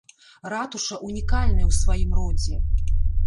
Ратуша ўнікальная ў сваім родзе.